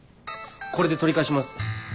これで取り返します。